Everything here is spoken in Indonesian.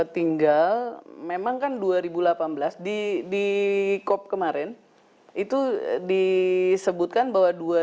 tinggal memang kan dua ribu delapan belas di cop kemarin itu disebutkan bahwa dua ribu delapan belas itu sudah ada